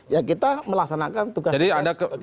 ya kita melaksanakan tugas menteri dalam negeri sebagai presiden